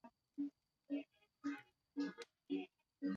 Vijidudu vyenye maambukizi ya majimoyo hujiimarisha zaidi ndani ya kupe